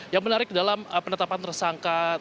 yang menarik dalam penetapan tersangka